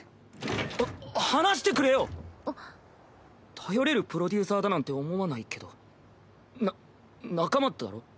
頼れるプロデューサーだなんて思わないけどな仲間だろ？